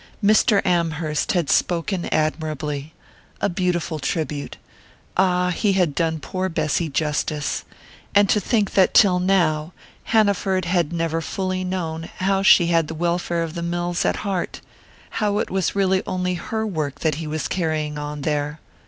Mr. Amherst had spoken admirably a "beautiful tribute " ah, he had done poor Bessy justice! And to think that till now Hanaford had never fully known how she had the welfare of the mills at heart how it was really only her work that he was carrying on there!